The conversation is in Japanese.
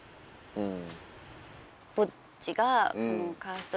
うん。